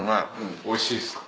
おいしいですか。